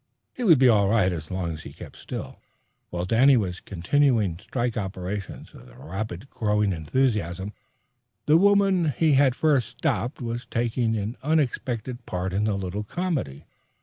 He would be all right as long as he kept still, Danny explained, but no longer. While Danny was continuing strike operations with rapidly growing enthusiasm, the woman he had first stopped was taking an unexpected part in the little comedy.